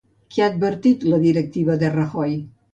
Què ha advertit la directiva de Rajoy?